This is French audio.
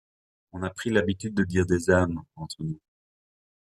On a pris l’habitude de dire des âmes, entre nous.